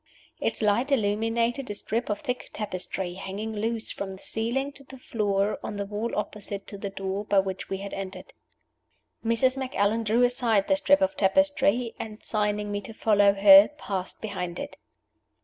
Its light illuminated a strip of thick tapestry, hanging loose from the ceiling to the floor, on the wall opposite to the door by which we had entered. Mrs. Macallan drew aside the strip of tapestry, and, signing me to follow her, passed behind it.